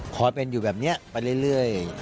เป็นอยู่แบบนี้ไปเรื่อย